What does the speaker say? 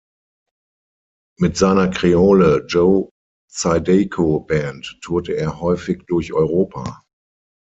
Mit seiner Creole Joe Zydeco Band tourte er häufig durch Europa.